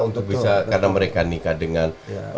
untuk bisa karena mereka nikah dengan